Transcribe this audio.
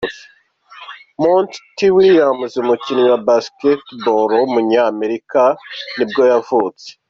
Monty Williams, umukinnyi wa basketball w’umunyamerika nibwo yavutse.